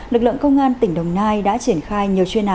lực lượng công an tỉnh đồng nai đã triển khai nhiều chuyên án